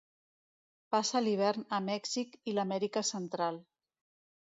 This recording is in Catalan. Passa l'hivern a Mèxic i l'Amèrica Central.